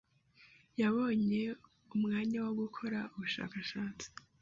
yabonye umwanya wo gukora ubushakashatsi